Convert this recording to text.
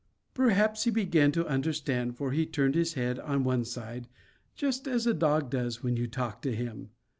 Perhaps he began to understand, for he turned his head on one side, just as a dog does when you talk to him.